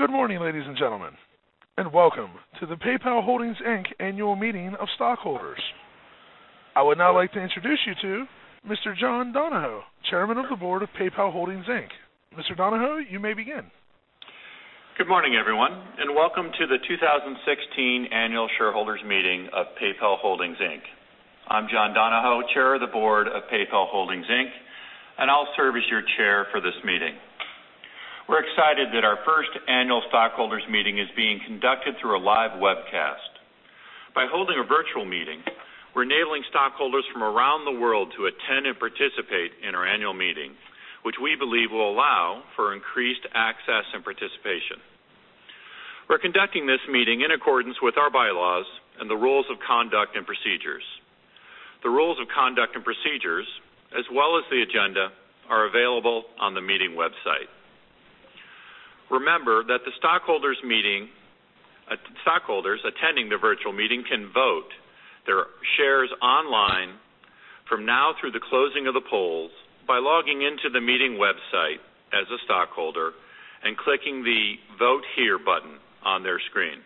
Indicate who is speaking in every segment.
Speaker 1: Good morning, ladies and gentlemen, and welcome to the PayPal Holdings, Inc. Annual Meeting of Stockholders. I would now like to introduce you to Mr. John Donahoe, Chairman of the Board of PayPal Holdings, Inc. Mr. Donahoe, you may begin.
Speaker 2: Good morning, everyone, and welcome to the 2016 Annual Shareholders Meeting of PayPal Holdings, Inc. I'm John Donahoe, Chair of the Board of PayPal Holdings, Inc., and I'll serve as your chair for this meeting. We're excited that our first annual stockholders meeting is being conducted through a live webcast. By holding a virtual meeting, we're enabling stockholders from around the world to attend and participate in our annual meeting, which we believe will allow for increased access and participation. We're conducting this meeting in accordance with our bylaws and the rules of conduct and procedures. The rules of conduct and procedures, as well as the agenda, are available on the meeting website. Remember that the stockholders attending the virtual meeting can vote their shares online from now through the closing of the polls by logging into the meeting website as a stockholder and clicking the Vote Here button on their screen.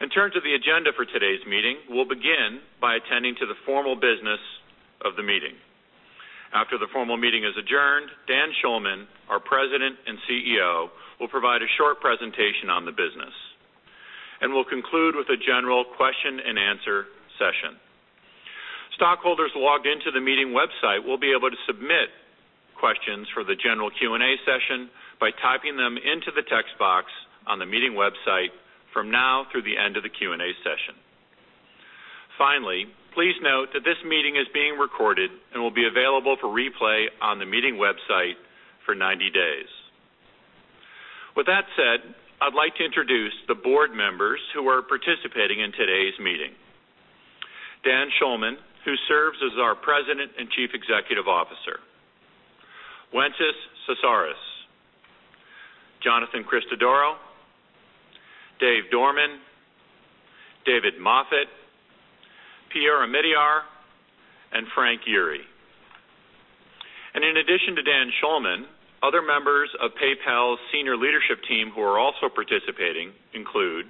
Speaker 2: In terms of the agenda for today's meeting, we'll begin by attending to the formal business of the meeting. After the formal meeting is adjourned, Dan Schulman, our President and CEO, will provide a short presentation on the business, and we'll conclude with a general question-and-answer session. Stockholders logged into the meeting website will be able to submit questions for the general Q&A session by typing them into the text box on the meeting website from now through the end of the Q&A session. Finally, please note that this meeting is being recorded and will be available for replay on the meeting website for 90 days. With that said, I'd like to introduce the board members who are participating in today's meeting. Dan Schulman, who serves as our President and Chief Executive Officer, Wences Casares, Jonathan Christodoro, Dave Dorman, David Moffett, Pierre Omidyar, and Frank Yeary. In addition to Dan Schulman, other members of PayPal's senior leadership team who are also participating include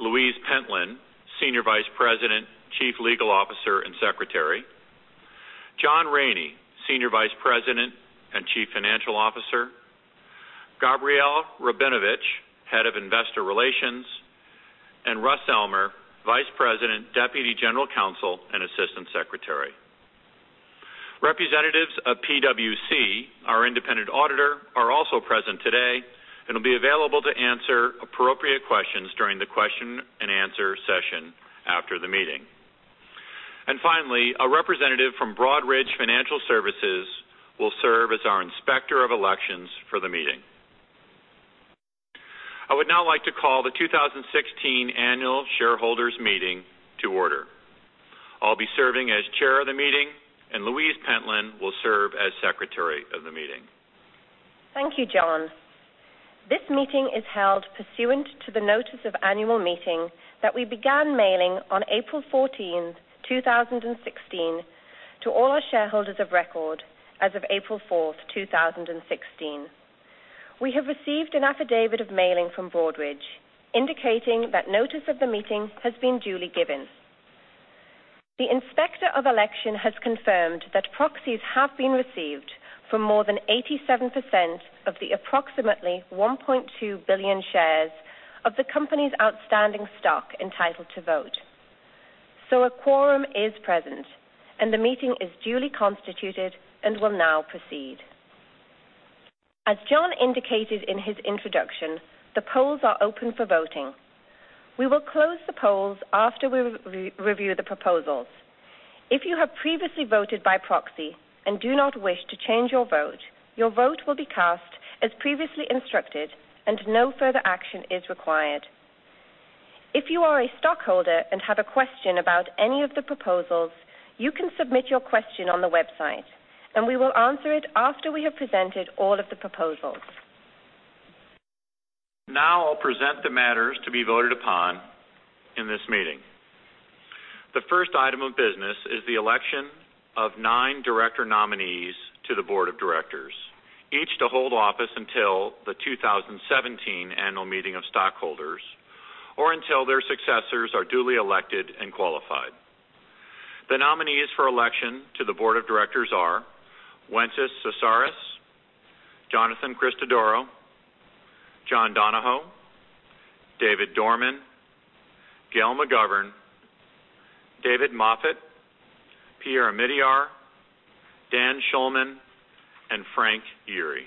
Speaker 2: Louise Pentland, Senior Vice President, Chief Legal Officer, and Secretary, John Rainey, Senior Vice President and Chief Financial Officer, Gabrielle Rabinovitch, Head of Investor Relations, and Russ Elmer, Vice President, Deputy General Counsel, and Assistant Secretary. Representatives of PwC, our independent auditor, are also present today and will be available to answer appropriate questions during the question-and-answer session after the meeting. Finally, a representative from Broadridge Financial Solutions will serve as our Inspector of Elections for the meeting. I would now like to call the 2016 Annual Shareholders Meeting to order. I'll be serving as Chair of the meeting, and Louise Pentland will serve as Secretary of the meeting.
Speaker 3: Thank you, John. This meeting is held pursuant to the notice of annual meeting that we began mailing on April 14th, 2016, to all our shareholders of record as of April 4th, 2016. We have received an affidavit of mailing from Broadridge indicating that notice of the meeting has been duly given. The Inspector of Election has confirmed that proxies have been received for more than 87% of the approximately 1.2 billion shares of the company's outstanding stock entitled to vote. A quorum is present, and the meeting is duly constituted and will now proceed. As John indicated in his introduction, the polls are open for voting. We will close the polls after we review the proposals. If you have previously voted by proxy and do not wish to change your vote, your vote will be cast as previously instructed and no further action is required. If you are a stockholder and have a question about any of the proposals, you can submit your question on the website, and we will answer it after we have presented all of the proposals.
Speaker 2: I'll present the matters to be voted upon in this meeting. The first item of business is the election of nine director nominees to the board of directors, each to hold office until the 2017 annual meeting of stockholders or until their successors are duly elected and qualified. The nominees for election to the board of directors are Wences Casares, Jonathan Christodoro, John Donahoe, David Dorman, Gail McGovern, David Moffett, Pierre Omidyar, Dan Schulman, and Frank Yeary.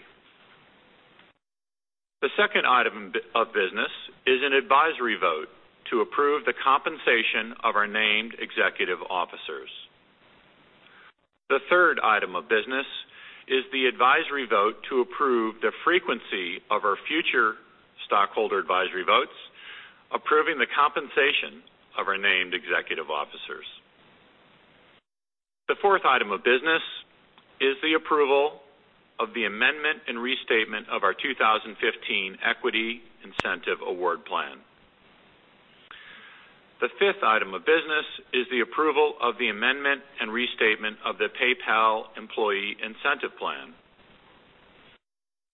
Speaker 2: The second item of business is an advisory vote to approve the compensation of our named executive officers. The third item of business is the advisory vote to approve the frequency of our future stockholder advisory votes, approving the compensation of our named executive officers. The fourth item of business is the approval of the amendment and restatement of our 2015 Equity Incentive Award Plan. The fifth item of business is the approval of the amendment and restatement of the PayPal Employee Incentive Plan.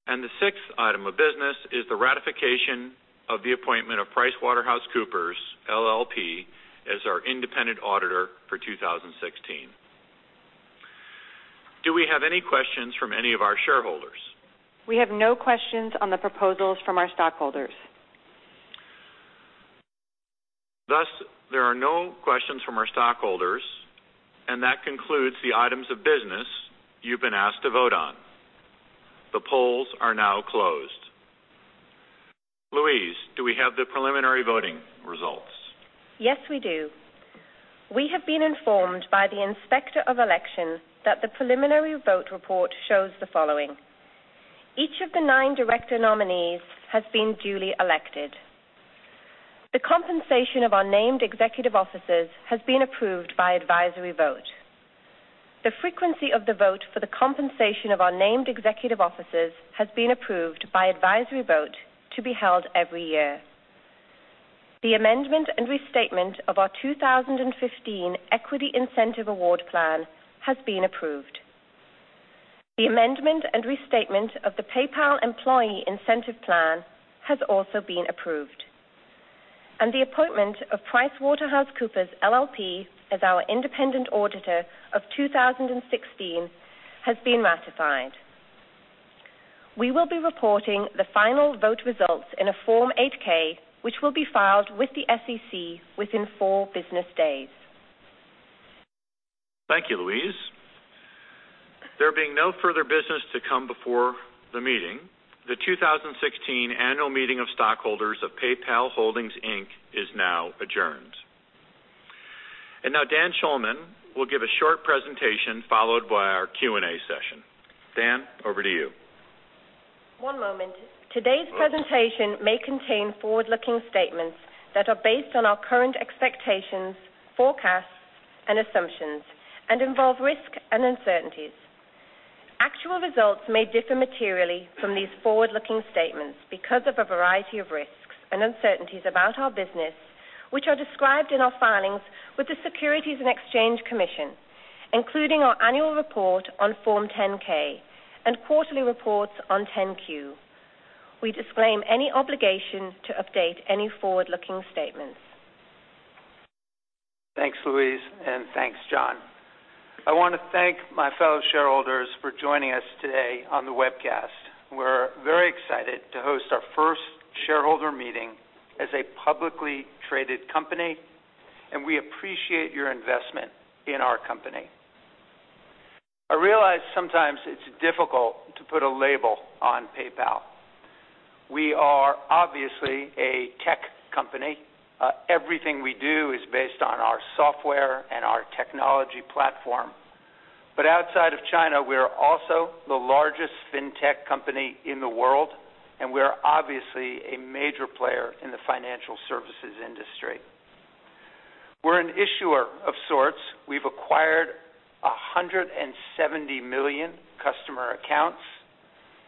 Speaker 2: The sixth item of business is the ratification of the appointment of PricewaterhouseCoopers LLP as our independent auditor for 2016. Do we have any questions from any of our shareholders?
Speaker 4: We have no questions on the proposals from our stockholders.
Speaker 2: Thus, there are no questions from our stockholders, and that concludes the items of business you've been asked to vote on. The polls are now closed. Louise, do we have the preliminary voting results?
Speaker 3: Yes, we do. We have been informed by the Inspector of Elections that the preliminary vote report shows the following: Each of the nine director nominees has been duly elected. The compensation of our named executive officers has been approved by advisory vote. The frequency of the vote for the compensation of our named executive officers has been approved by advisory vote to be held every year. The amendment and restatement of our 2015 Equity Incentive Award Plan has been approved. The amendment and restatement of the PayPal Employee Incentive Plan has also been approved, and the appointment of PricewaterhouseCoopers LLP as our independent auditor of 2016 has been ratified. We will be reporting the final vote results in a Form 8-K, which will be filed with the SEC within four business days.
Speaker 2: Thank you, Louise. There being no further business to come before the meeting, the 2016 Annual Meeting of Stockholders of PayPal Holdings, Inc. is now adjourned. Now Dan Schulman will give a short presentation, followed by our Q&A session. Dan, over to you.
Speaker 3: One moment. Today's presentation may contain forward-looking statements that are based on our current expectations, forecasts, and assumptions and involve risks and uncertainties. Actual results may differ materially from these forward-looking statements because of a variety of risks and uncertainties about our business, which are described in our filings with the Securities and Exchange Commission, including our annual report on Form 10-K and quarterly reports on 10-Q. We disclaim any obligation to update any forward-looking statements.
Speaker 5: Thanks, Louise, and thanks, John. I want to thank my fellow shareholders for joining us today on the webcast. We're very excited to host our first shareholder meeting as a publicly traded company, and we appreciate your investment in our company. I realize sometimes it's difficult to put a label on PayPal. We are obviously a tech company. Everything we do is based on our software and our technology platform. Outside of China, we are also the largest fintech company in the world, and we are obviously a major player in the financial services industry. We're an issuer of sorts. We've acquired 170 million customer accounts,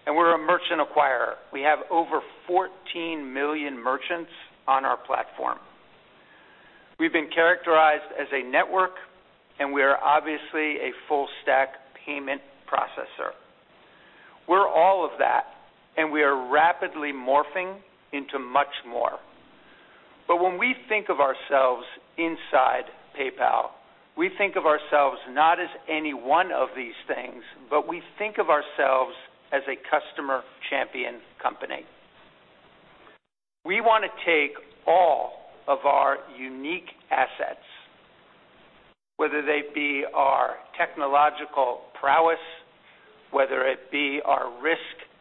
Speaker 5: and we're a merchant acquirer. We have over 14 million merchants on our platform. We've been characterized as a network, and we are obviously a full stack payment processor. We're all of that, and we are rapidly morphing into much more. When we think of ourselves inside PayPal, we think of ourselves not as any one of these things, but we think of ourselves as a customer champion company. We want to take all of our unique assets, whether they be our technological prowess, whether it be our risk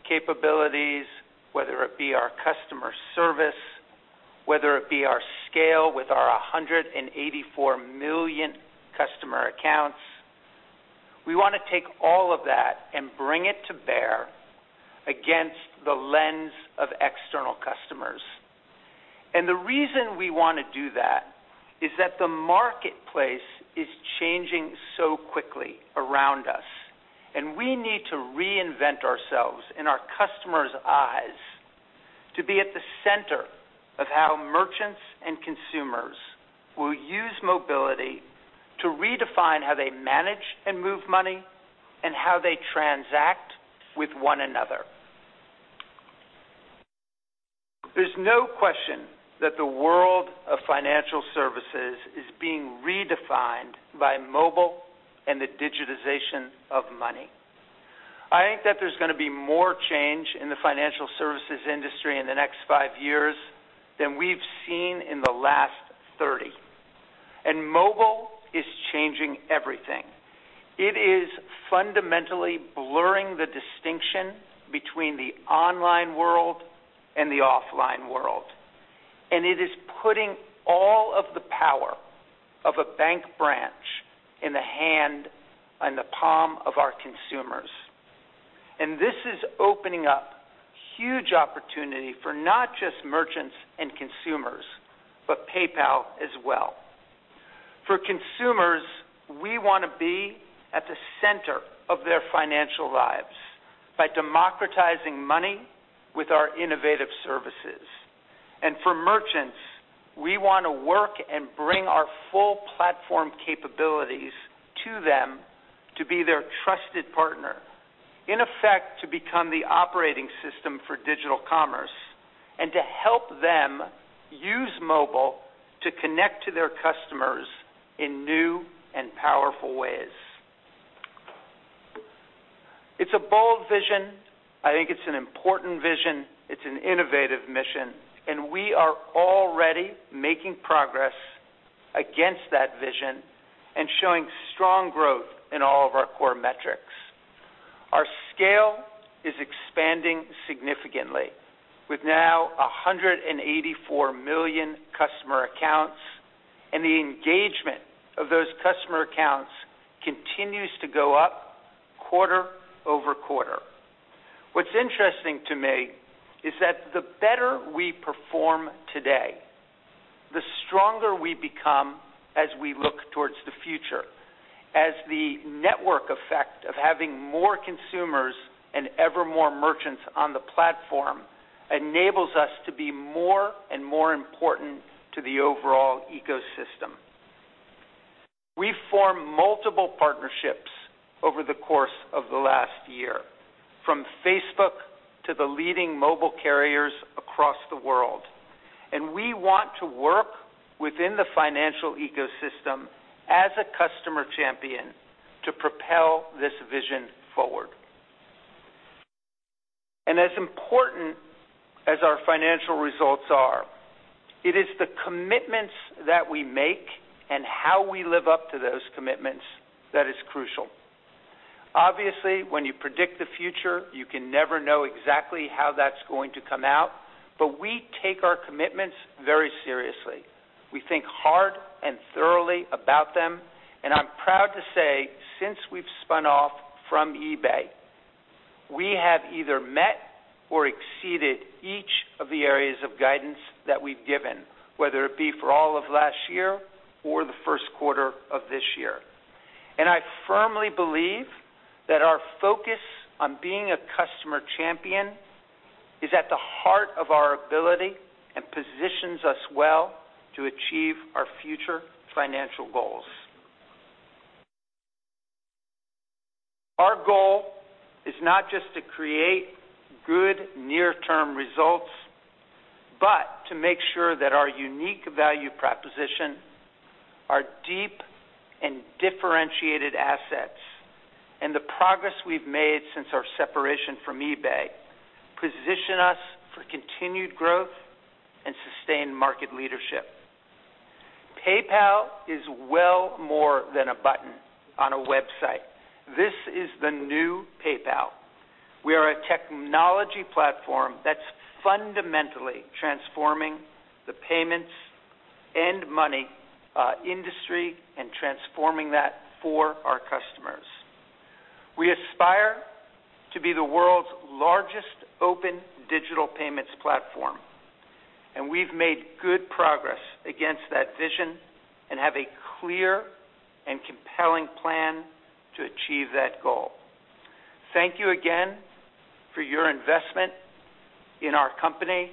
Speaker 5: capabilities, whether it be our customer service, whether it be our scale with our 184 million customer accounts. We want to take all of that and bring it to bear against the lens of external customers. The reason we want to do that is that the marketplace is changing so quickly around us, and we need to reinvent ourselves in our customers' eyes to be at the center of how merchants and consumers will use mobility to redefine how they manage and move money and how they transact with one another.
Speaker 2: There's no question that the world of financial services is being redefined by mobile and the digitization of money. I think that there's gonna be more change in the financial services industry in the next five years than we've seen in the last 30, mobile is changing everything. It is fundamentally blurring the distinction between the online world and the offline world, it is putting all of the power of a bank branch in the hand and the palm of our consumers. This is opening up huge opportunity for not just merchants and consumers, but PayPal as well.
Speaker 5: For consumers, we want to be at the center of their financial lives by democratizing money with our innovative services. For merchants, we want to work and bring our full platform capabilities to them to be their trusted partner, in effect, to become the operating system for digital commerce and to help them use mobile to connect to their customers in new and powerful ways. It's a bold vision. I think it's an important vision. It's an innovative mission, we are already making progress against that vision and showing strong growth in all of our core metrics. Our scale is expanding significantly with now 184 million customer accounts, the engagement of those customer accounts continues to go up quarter-over-quarter. What's interesting to me is that the better we perform today, the stronger we become as we look towards the future, as the network effect of having more consumers and ever more merchants on the platform enables us to be more and more important to the overall ecosystem. We formed multiple partnerships over the course of the last year, from Facebook to the leading mobile carriers across the world, we want to work within the financial ecosystem as a customer champion to propel this vision forward. As important as our financial results are, it is the commitments that we make and how we live up to those commitments that is crucial. Obviously, when you predict the future, you can never know exactly how that's going to come out. We take our commitments very seriously. We think hard and thoroughly about them, I'm proud to say since we've spun off from eBay, we have either met or exceeded each of the areas of guidance that we've given, whether it be for all of last year or the first quarter of this year. I firmly believe that our focus on being a customer champion is at the heart of our ability and positions us well to achieve our future financial goals. Our goal is not just to create good near-term results, but to make sure that our unique value proposition, our deep and differentiated assets, and the progress we've made since our separation from eBay position us for continued growth and sustained market leadership. PayPal is well more than a button on a website. This is the new PayPal. We are a technology platform that's fundamentally transforming the payments and money industry and transforming that for our customers. We aspire to be the world's largest open digital payments platform. We've made good progress against that vision and have a clear and compelling plan to achieve that goal. Thank you again for your investment in our company.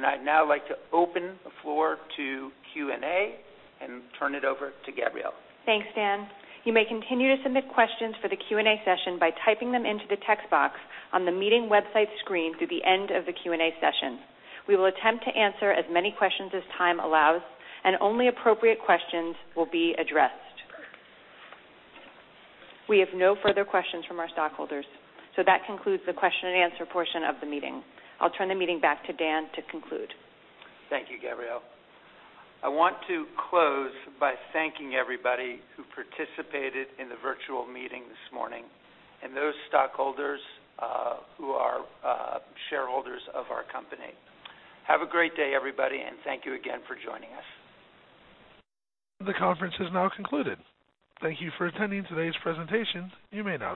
Speaker 5: I'd now like to open the floor to Q&A and turn it over to Gabrielle.
Speaker 4: Thanks, Dan. You may continue to submit questions for the Q&A session by typing them into the text box on the meeting website screen through the end of the Q&A session. We will attempt to answer as many questions as time allows. Only appropriate questions will be addressed. We have no further questions from our stockholders. That concludes the question and answer portion of the meeting. I'll turn the meeting back to Dan to conclude.
Speaker 5: Thank you, Gabrielle. I want to close by thanking everybody who participated in the virtual meeting this morning and those stockholders who are shareholders of our company. Have a great day, everybody. Thank you again for joining us.
Speaker 1: The conference has now concluded. Thank you for attending today's presentation. You may now disconnect.